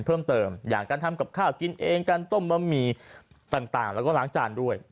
เพิ่มเติมอย่างการทำกับข้าวกินเองการต้มบะหมี่ต่างแล้วก็ล้างจานด้วย